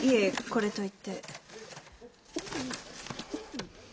これといって。